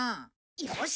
よし！